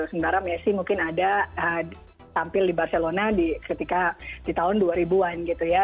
sementara messi mungkin ada tampil di barcelona ketika di tahun dua ribu an gitu ya